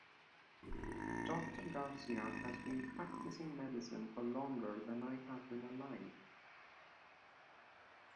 Doctor Garcia has been practicing medicine for longer than I have been alive.